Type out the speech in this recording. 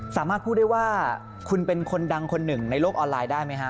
สามารถพูดได้ว่าคุณเป็นคนดังคนหนึ่งในโลกออนไลน์ได้ไหมฮะ